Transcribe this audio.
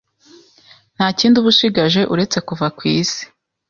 ntakindi ubushigaje uretse kuva ku isi,